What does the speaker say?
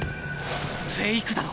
フェイクだろ！